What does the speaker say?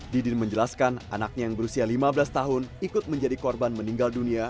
didin menjelaskan anaknya yang berusia lima belas tahun ikut menjadi korban meninggal dunia